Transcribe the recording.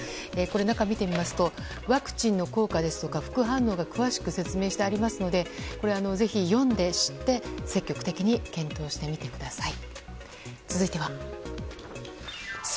中を見てみますとワクチンの効果ですとか副反応が詳しく説明してありますのでぜひ読んで、知って積極的に検討してみてください。